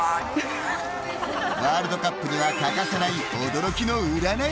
ワールドカップには欠かせない驚きの占い